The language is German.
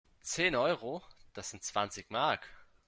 Zehn Euro? Das sind zwanzig Mark!